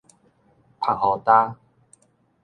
曝予焦